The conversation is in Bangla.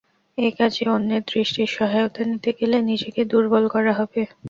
এ কাজে অন্যের দৃষ্টির সহায়তা নিতে গেলে নিজেকে দুর্বল করা হবে।